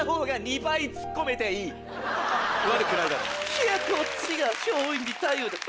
いやこっちが松陰寺太勇だ。